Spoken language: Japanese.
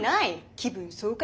気分爽快。